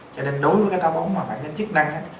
cho nên đối với cái táo bón mà phản ứng chức năng á